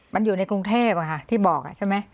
มันอยู่ในกรุงเทพที่บอกใช่ไหม